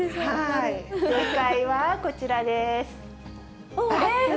正解はこちらです。